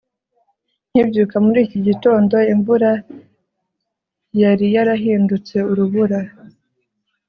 nkibyuka muri iki gitondo, imvura yari yarahindutse urubura